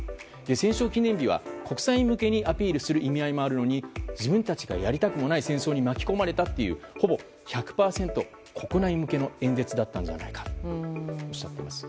戦勝記念日は国際的にアピールする意味合いもあるので自分たちはやりたくもない戦争に巻き込まれたというほぼ１００％、国内向けの演説だったんじゃないかとおっしゃっています。